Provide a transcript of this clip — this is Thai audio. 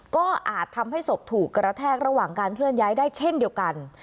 ก็อาจทำให้ศพถูกกระแทกระหว่างการเคลื่อนย้ายได้เช่นเดียวกัน